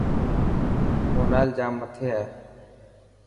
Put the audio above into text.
مونال ڄام مٿي هي.